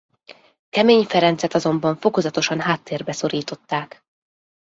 Kemény Ferencet azonban fokozatosan háttérbe szorították.